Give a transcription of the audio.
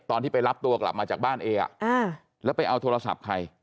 ตอนที่ไปรับตัวกลับมาจากบ้านเออ่ะแล้วไปเอาโทรศัพท์ใคร